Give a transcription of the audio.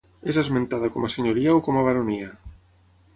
És esmentada com a senyoria o com a baronia.